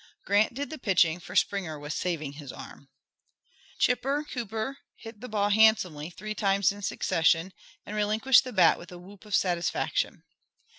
Grant did the pitching, for Springer was "saving his arm." Chipper Cooper hit the ball handsomely three times in succession, and relinquished the bat with a whoop of satisfaction.